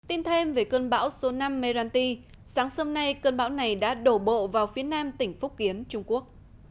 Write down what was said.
tin thêm về cơn bão số năm meralty sáng sớm nay cơn bão này đã đổ bộ vào phía nam tỉnh phúc kiến trung quốc